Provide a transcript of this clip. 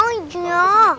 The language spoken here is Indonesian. mendingan kalian suit aja